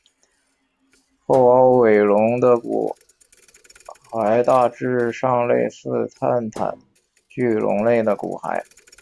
后凹尾龙的骨骸大致上类似泰坦巨龙类的骨骸。